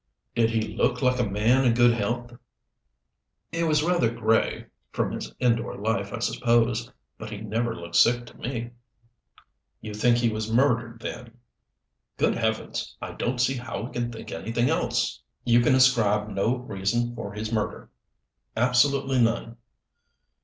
"Did he look like a man in good health?" "He was rather gray from his indoor life, I suppose. But he never looked sick to me." "You think he was murdered, then?" "Good Heavens, I don't see how we can think anything else!" "You can ascribe no reason for his murder." "Absolutely none."